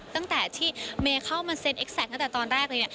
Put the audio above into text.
ตั้งแต่ที่เมย์เข้ามาเซ็นเอ็กแซคตั้งแต่ตอนแรกเลยเนี่ย